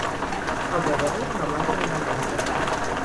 El deu d'agost na Blanca anirà al metge.